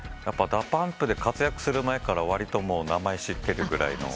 ＤＡＰＵＭＰで活躍する前からわりと名前知ってるぐらいの。